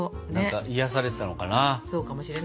癒やされてたのかな？